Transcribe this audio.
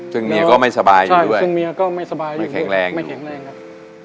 ซึ่งเมียก็ไม่สบายอยู่ด้วยซึ่งเมียก็ไม่สบายด้วยไม่แข็งแรงไม่แข็งแรงครับ